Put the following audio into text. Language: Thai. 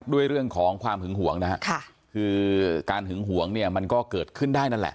เรื่องของความหึงหวงนะฮะคือการหึงหวงเนี่ยมันก็เกิดขึ้นได้นั่นแหละ